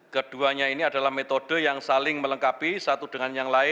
keduanya ini adalah metode yang saling